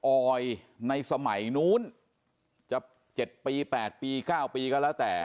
ออยในสมัยนู้นจะ๗ปี๘ปี๙ปีก็แล้วแต่